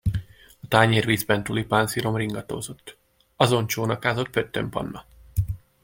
A tányér vízben tulipánszirom ringatózott, azon csónakázott Pöttöm Panna.